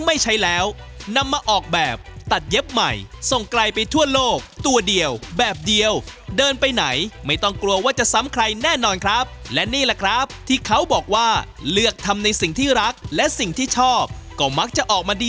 มีเคล็ดลับดับกลิ่นขาว